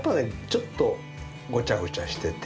ちょっとごちゃごちゃしてて。